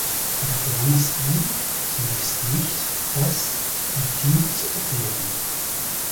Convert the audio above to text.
Jedoch gelang es ihm zunächst nicht fest im Team zu etablieren.